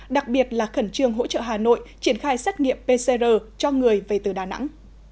đặc biệt là khẩn trương hỗ trợ hà nội triển khai xét nghiệm pcr cho người về từ đà nẵng